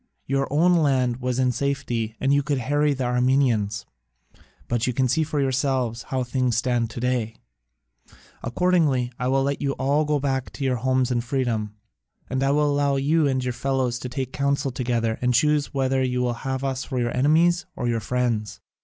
Your own land was in safety and you could harry the Armenians: but you can see for yourselves how things stand to day. Accordingly I will let you all go back to your homes in freedom, and I will allow you and your fellows to take counsel together and choose whether you will have us for your enemies or your friends.